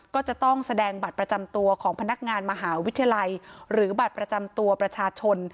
ก็จะต้องแสดงบัตรประจำตัวของพนักงานมหาวิทยาลัยหรือบัตรประจำตัวประชาชน